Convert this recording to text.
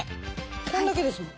これだけですもん。